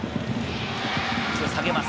一度、下げます。